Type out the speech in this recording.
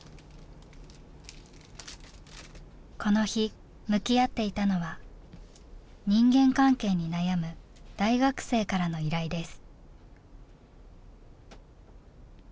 この日向き合っていたのは人間関係に悩む大学生からの依頼です。